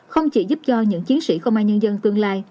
không chỉ giúp cho những chiến sĩ công an nhân dân tương lai